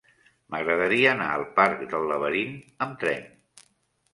M'agradaria anar al parc del Laberint amb tren.